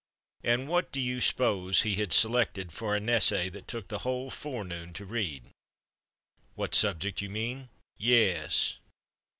And what do you s'pose he had selected for a nessay that took the whole forenoon to read?" "What subject, you mean?" "Yes."